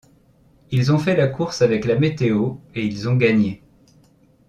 Ils ont fait la course avec la météo et ils ont gagné.